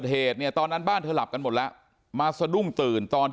คุณสุสปีรณามหายศผู้สื่อข่าวของเราก็ไป